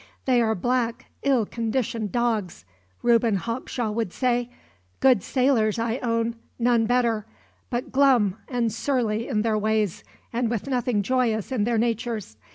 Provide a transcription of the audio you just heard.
"They are black, ill conditioned dogs," Reuben Hawkshaw would say; "good sailors, I own; none better; but glum and surly in their ways, and with nothing joyous in their natures.